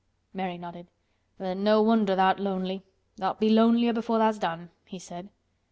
Mary nodded. "Then no wonder tha'rt lonely. Tha'lt be lonlier before tha's done," he said.